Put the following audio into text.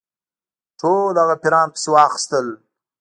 ټول هغه پیران پسي واخیستل.